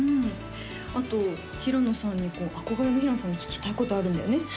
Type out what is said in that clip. あと平野さんにこう憧れの平野さんに聞きたいことあるんだよね